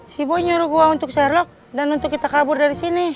si boy nyuruh gua untuk sherlock dan untuk kita kabur dari sini